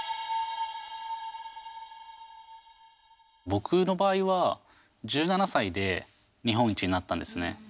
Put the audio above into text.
僕の場合は、１７歳で日本一になったんですね。